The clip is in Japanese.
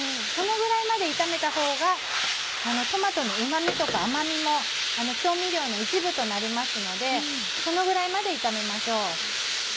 そのぐらいまで炒めたほうがトマトのうま味とか甘味も調味料の一部となりますのでそのぐらいまで炒めましょう。